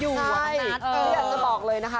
ใช่อยากจะบอกเลยนะคะ